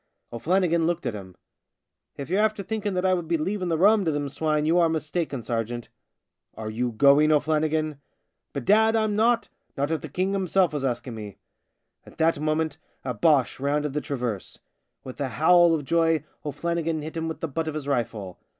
O'Flannigan looked at him. " If you're after thinking that I would be leaving the rum to them swine you are mistaken, ser geant." " Are you going, O'Flannigan ?"" Bedad, I'm not ! Not if the King himself was asking me." At that moment a Boche rounded the traverse. With a howl of joy O'Flannigan hit him with the butt of his rifle.